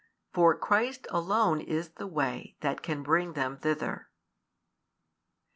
For Christ alone is the Way that can bring them thither.